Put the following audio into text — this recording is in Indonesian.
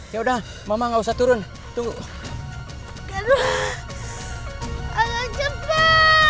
yaudah gimana calon betting ke dalam gimana kalau